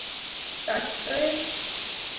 Tach Toek